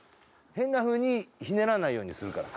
変な風にひねらないようにするから。